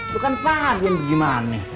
bukan paham ian gimana